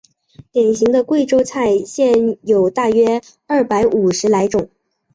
典型的贵州菜现有大约有二百五十来种。